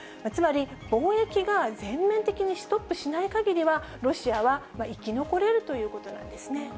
つまり貿易が全面的にストップしないかぎりは、ロシアは生き残れるということなんですね。